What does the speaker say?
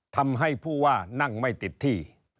ทำให้ผู้ว่านั่งไม่ติดที่